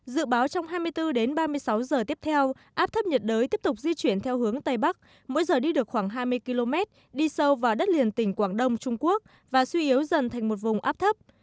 dự báo trong hai mươi bốn đến ba mươi sáu giờ tiếp theo áp thấp nhiệt đới tiếp tục di chuyển theo hướng tây bắc mỗi giờ đi được khoảng hai mươi km đi sâu vào đất liền tỉnh quảng đông trung quốc và suy yếu dần thành một vùng áp thấp